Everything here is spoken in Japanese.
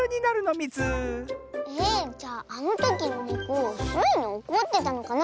えじゃああのときのネコスイにおこってたのかな？